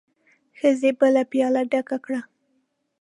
ښځې بله پياله ډکه کړه.